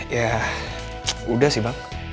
ya udah sih bang